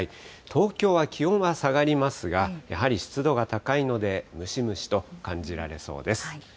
東京は気温は下がりますが、やはり湿度が高いので、ムシムシと感じられそうです。